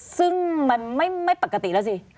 ซึ่งมันไม่ปกติแล้วสิ